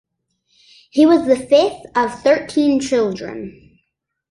He was the fifth of thirteen children.